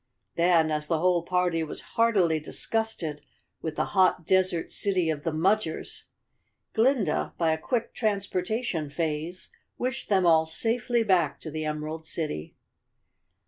Then, as the whole party was heartily disgusted with the hot, desert city of the Mudgers, Glinda, by a quick transportation phrase, wished them all safely back to the Emerald City.